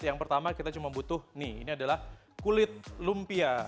yang pertama kita cuma butuh nih ini adalah kulit lumpia